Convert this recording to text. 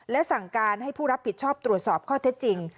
และสั่งการให้ผู้รับผิดชอบตรวจสอบข้อเท็จจริง